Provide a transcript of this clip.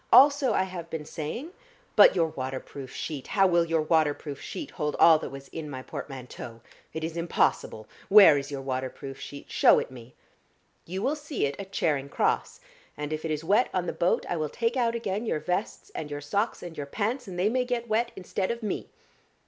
Also I have been saying " "But your water proof sheet, how will your water proof sheet hold all that was in my portmanteau? It is impossible. Where is your water proof sheet? Show it me." "You will see it at Charing Cross. And if it is wet on the boat I will take out again your vests and your socks and your pants, and they may get wet instead of me."